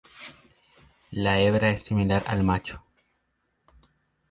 La hebra es similar al macho.